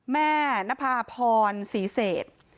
แม่นภาพรศรีเศษ